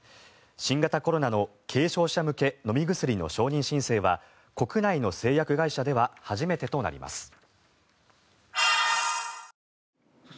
新型コロナの軽症者向け飲み薬の承認申請は国内の製薬会社では初めてとなります。